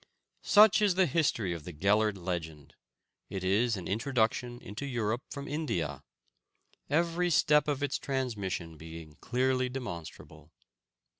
Such is the history of the Gellert legend; it is an introduction into Europe from India, every step of its transmission being clearly demonstrable.